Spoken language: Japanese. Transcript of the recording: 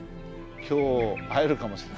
今日会えるかもしれんな。